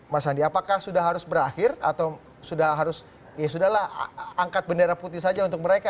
mas andi apakah sudah harus berakhir atau sudah harus ya sudah lah angkat bendera putih saja untuk mereka